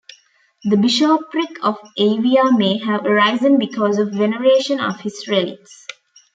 The bishopric of Aveia may have arisen because of veneration of his relics.